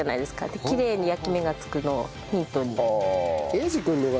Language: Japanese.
できれいに焼き目がつくのをヒントに。